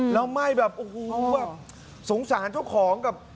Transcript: แล้วไหม้แบบโอ้โหแบบสงสารเจ้าของกับ